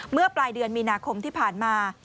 เมื่อปลายเดือนมีนาคมที่ผ่านมา